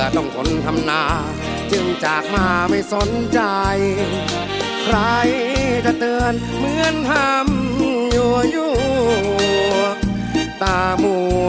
ขอกำลังใจด้วยครับ